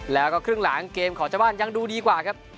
แล้วก็ครึ่งหลังเกมของเจ้าบ้านยังดูดีกว่าครับ